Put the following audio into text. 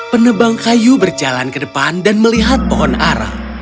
penebang kayu berjalan ke depan dan melihat pohon arah